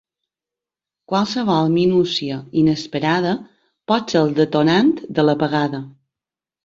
Qualsevol minúcia inesperada pot ser el detonant de l'apagada.